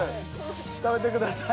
食べてください。